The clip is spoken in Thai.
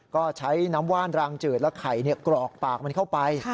ก็ใช้น้ำว่านรางจืดและไข่กรอกปากมันเข้าไป